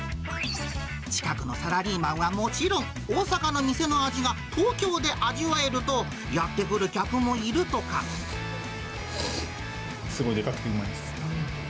近くのサラリーマンはもちろん、大阪の店の味が東京で味わえると、すごいでかくてうまいです。